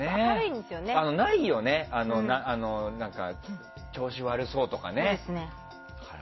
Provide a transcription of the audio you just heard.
ないよね、調子悪そうとかね。